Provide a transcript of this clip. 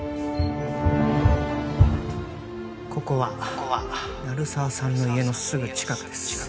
ここは鳴沢さんの家のすぐ近くです